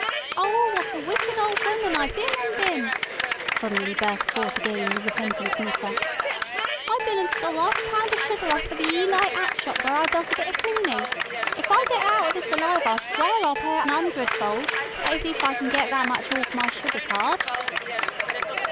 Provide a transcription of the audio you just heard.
"Ow, what a wicked ol' woman I bin an' bin," suddenly burst forth again the repentant knitter. "I bin an' stole 'arf a pound o' sugar off of the Eelite 'Atshop where I does a bit o' cleanin'. Ef I get out o' this alive, I swear I'll repay it an 'undredfold that is ef I can get that much awf me sugar card...."